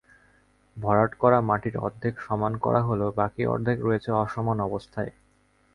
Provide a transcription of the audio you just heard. ভরাট করা মাটির অর্ধেক সমান করা হলেও বাকি অর্ধেক রয়েছে অসমান অবস্থায়।